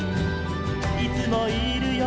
「いつもいるよ」